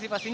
apa tuh bu